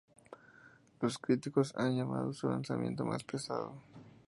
Los críticos han llamado su lanzamiento más pesado.